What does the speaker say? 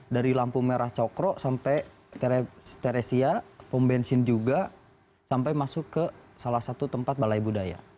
dari lampu merah cokro sampai teresia pom bensin juga sampai masuk ke salah satu tempat balai budaya